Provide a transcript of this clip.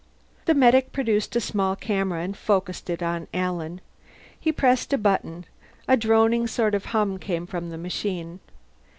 The medic produced a small camera and focused it on Alan. He pressed a button; a droning sort of hum came from the machine.